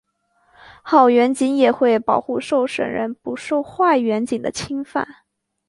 好员警也会保护受审者不受坏员警的侵犯。